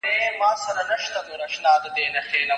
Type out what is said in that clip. دا د شملو دا د بګړیو وطن